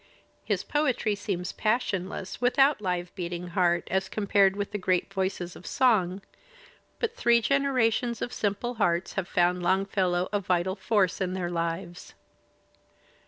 His poetry seems Digitized by Google LONGFELLOW 109 passionless, without "live beating heartj" as compared with the great voices of song, but three generations of simple hearts have found Longfellow a vital force in their lives.